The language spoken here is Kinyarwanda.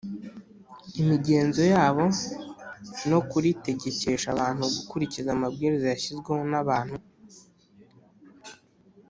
imigenzo yabo no kuritegekesha abantu gukurikiza amabwiriza yashyizweho n’abantu